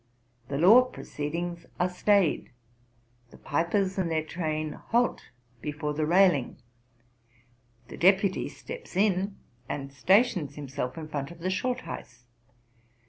The law proceedings are stayed, the pipers and their train halt before the railing, the deputy steps in and stations himself in front of the Schultheiss.